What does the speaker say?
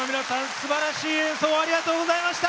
すばらしい演奏をありがとうございました！